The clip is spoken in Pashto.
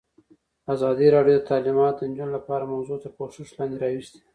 ازادي راډیو د تعلیمات د نجونو لپاره موضوع تر پوښښ لاندې راوستې.